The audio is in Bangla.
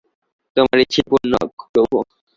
তোমার ইচ্ছাই পূর্ণ হোক, প্রভু।